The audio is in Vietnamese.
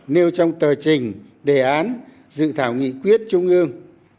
nêu trong tờ trình đề án dự thảo nghị quyết trung ương